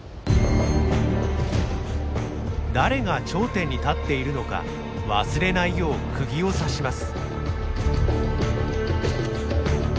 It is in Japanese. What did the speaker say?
誰が頂点に立っているのか忘れないよう釘を刺します。